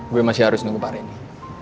gue masih harus nunggu pak reni